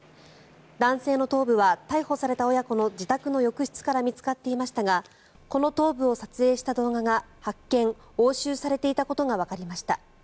男性の頭部は逮捕された親子の自宅の浴室から見つかっていましたがこの頭部を撮影した動画が発見・押収されていたことがわかりました。